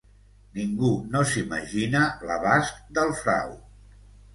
Ningú no s’imagina l’abast del frau.